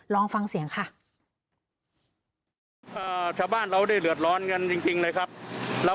ลองฟังเสียงค่ะ